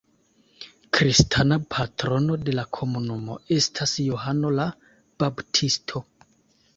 Kristana patrono de la komunumo estas Johano la Baptisto.